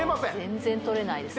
全然取れないですね